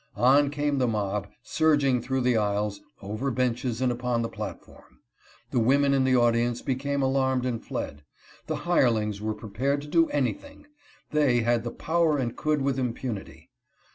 On came the mob, surging through the aisles, over benches, and upon the platform. The women in the audience became alarmed and fled. The hirelings were prepared to do anything ; they had the power and could with impunity.